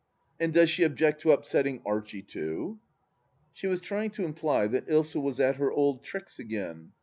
"And does she object to upsetting Archie, too ?" She was trying to imply that Ilsa was at her old tricks again.